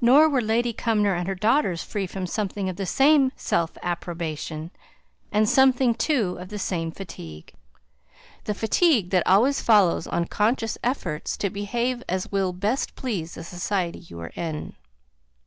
Nor were Lady Cumnor and her daughters free from something of the same self approbation, and something, too, of the same fatigue; the fatigue that always follows on conscious efforts to behave as will best please the society you are in.